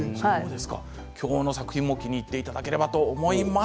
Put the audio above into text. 今日の作品も気に入っていただければと思います。